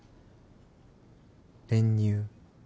練乳。